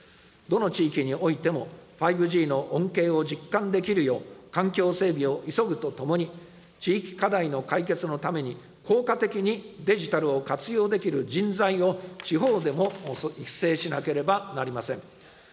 どの地域においても、５Ｇの恩恵を実感できるよう、環境整備を急ぐとともに、地域課題の解決のために、効果的にデジタルを活用できる人材を、地方でも育成しなければなりません。